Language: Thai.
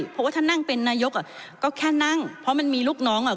เพราะว่าถ้านั่งเป็นนายกอ่ะก็แค่นั่งเพราะมันมีลูกน้องอ่ะ